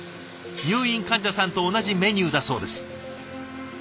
入院患者さんと同じメニューだそうです。